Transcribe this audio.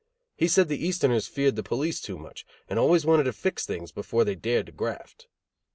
He said the Easterners feared the police too much, and always wanted to fix things before they dared to graft.